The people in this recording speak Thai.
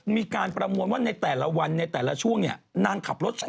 มีการประมวลว่าในแต่ละวันในแต่ละช่วงเนี่ยนางขับรถชน